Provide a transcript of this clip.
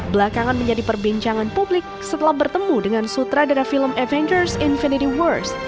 belakangan menjadi perbincangan publik setelah bertemu dengan sutradara film avengers infinity wars